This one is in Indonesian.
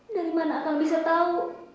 dari mana kang bisa tahu